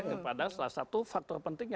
kepada salah satu faktor penting